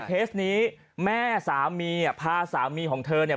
เคสนี้แม่สามีอ่ะพาสามีของเธอเนี่ย